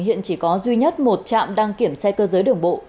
hiện chỉ có duy nhất một trạm đăng kiểm xe cơ giới đường bộ